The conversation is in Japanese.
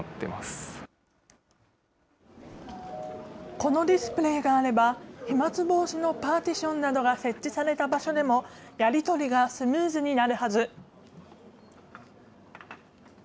このディスプレーがあれば、飛まつ防止のパーティションなどが設置された場所でも、やり取りがスムーズになるはず。